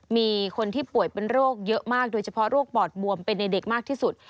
มีคนที่ป่วยเป็นโรคเยอะมากโดยเฉพาะโรคปอดบวมเป็นในเด็กมากที่สุด